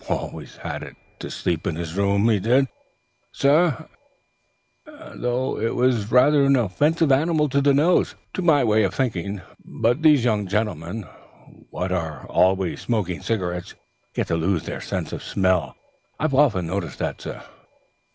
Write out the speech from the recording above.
Always had it to sleep in his room, he did, sir, though it was rather an offensive animal to the nose, to my way of thinking. But these young gentlemen what are always smoking cigarettes get to lose their sense of smell, I've often noticed that, sir.